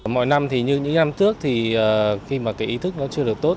mọi năm thì như những năm trước thì khi mà cái ý thức nó chưa được tốt